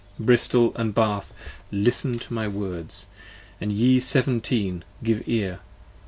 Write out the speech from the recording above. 55 Bristol & Bath, listen to my words, & ye Seventeen: give ear!